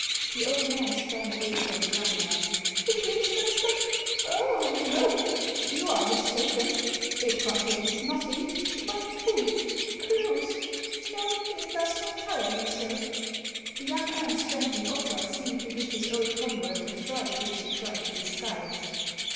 The old man sprang away from the young man. " It clinked, master ? Oh, no ! you are mistaken. It contains nothing — but food, clothes. Xo, it does not tire me, sir." The young man's friendly offer seemed to give his old comrade a fright which he tried to disguise.